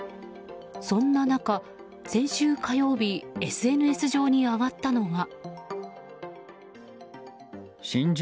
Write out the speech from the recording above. そんな中、先週火曜日ＳＮＳ上に上がったのが。